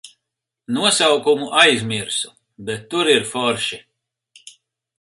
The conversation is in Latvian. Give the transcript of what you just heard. Nosaukumu aizmirsu, bet tur ir forši.